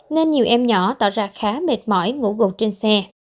nên nhiều em nhỏ tạo ra khá mệt mỏi ngủ gục trên xe